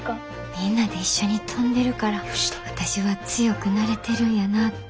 みんなで一緒に飛んでるから私は強くなれてるんやなって。